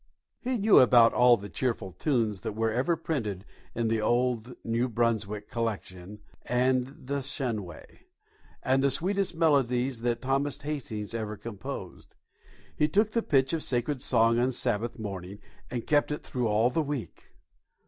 He knew about all the cheerful tunes that were ever printed in old "New Brunswick Collection," and the "Shunway," and the sweetest melodies that Thomas Hastings ever composed. He took the pitch of sacred song on Sabbath morning, and kept it through all the week.